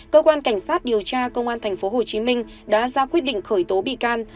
cơ quan cảnh sát điều tra công an tp hcm đã ra quyết định khởi tố bị can